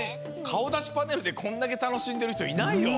かおだしパネルでこんだけたのしんでるひといないよ。